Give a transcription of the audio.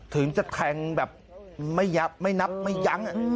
ถึงจะแทงแบบไม่ยับไม่นับไม่ยั้ง